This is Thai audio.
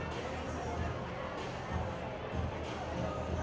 ก็จะไม่ตื่น